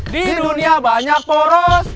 di dunia banyak poros